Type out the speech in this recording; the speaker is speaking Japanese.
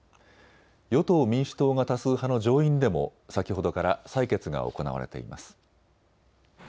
与党・民主党が多数派の上院でも先ほどから採決が行われています。